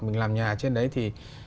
mình làm nhà trên đấy thì